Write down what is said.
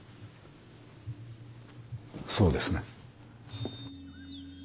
そうですね。